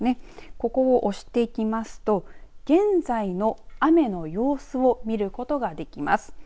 ここ押していきますと現在の雨の様子を見ることができます。